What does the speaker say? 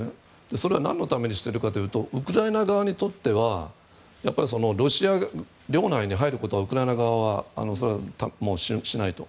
それは何のためにしているのかというとウクライナ側にとってはやっぱりロシア領内に入ることはウクライナ側はしないと。